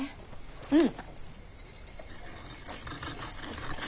うん。